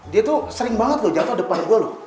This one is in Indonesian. dia tuh sering banget jatuh depan gue